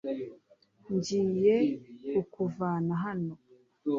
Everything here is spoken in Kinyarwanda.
ngiye kukuvana hano